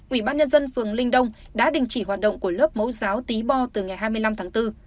ủy ban nhân dân phường linh đông đã đình chỉ hoạt động của lớp mẫu giáo tý bo từ ngày hai mươi năm tháng bốn